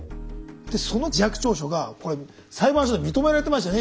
その自白調書が裁判所で認められてましたね